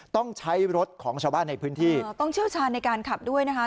ต้องใช้รถของชาวบ้านในพื้นที่อ๋อต้องเชี่ยวชาญในการขับด้วยนะคะ